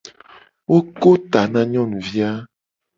Wo ko ta na nyonuvi a.